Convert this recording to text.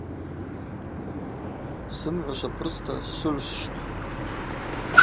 Сымгӏва швапырцӏта сшвыгӏвшвщт.